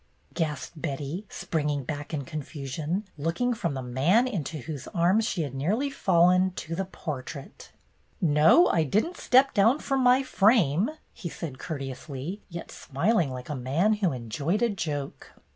'' gasped Betty, springing back in confusion, looking from the man into whose arms she had nearly fallen to the portrait. "No, I did n't step down from my frame," he said courteously, yet smiling like a man who enjoyed a joke.